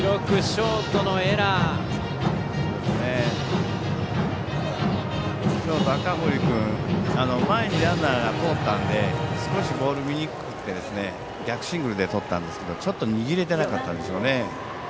ショート、赤堀君前にランナーが通ったので少しボールが見にくくて逆シングルでとったんですけどちょっと握れていなかったですね。